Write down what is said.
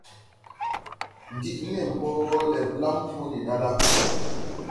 Ŋgid nen ɓɔ le blam ko ndi ɗa la.